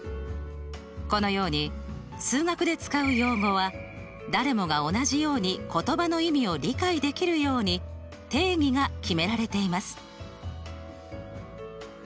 このように数学で使う用語は誰もが同じように言葉の意味を理解できるように定義が決められています。